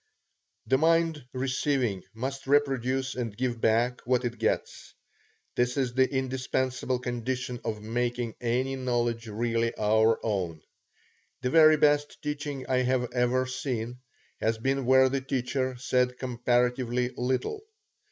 The mind receiving must reproduce and give back what it gets. This is the indispensable condition of making any knowledge really our own. The very best teaching I have ever seen, has been where the teacher said comparatively little.